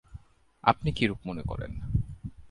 আপনি কিরূপ মনে করেন?